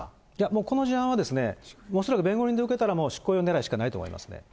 この事案は、恐らく弁護人で受けたら、執行猶予ねらいしかないと思いますね。